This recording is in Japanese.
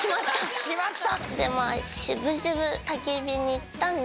しまった！